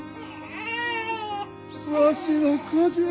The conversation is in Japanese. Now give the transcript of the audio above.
わしの子じゃ！